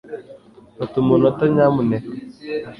Fata umunota nyamuneka